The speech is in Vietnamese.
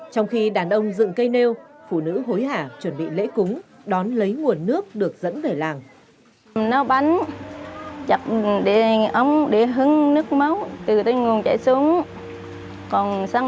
trong khi đàn ông dựng cây nêu phụ nữ hối hả chuẩn bị lễ cúng đón lấy nguồn nước được dẫn về làng